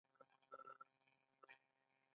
ایا نوکان یې اخیستي دي؟